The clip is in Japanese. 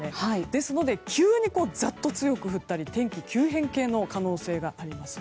ですので急にザッと強く降ったり天気急変の可能性があります。